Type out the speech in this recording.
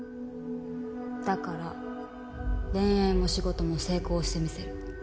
だから恋愛も仕事も成功してみせる。